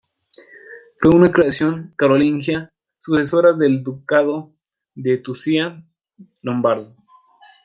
Fue una creación carolingia, sucesora del ducado de Tuscia lombardo.